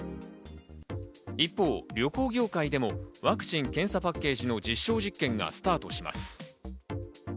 一方、旅行業界でもワクチン・検査パッケージの実証実験がスタートします。